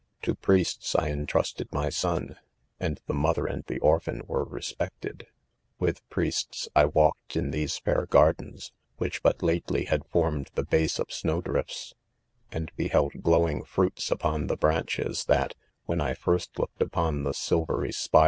. u, * To priests I entrusted my son, and the mo ther and' the orphan were respected. With priests., I walked in ihese fair gardens, which, feut lately had. formed the base of snow drifts f and beheld glowing : fruits upon the branches that, when 1 first looked upon the silvery spi?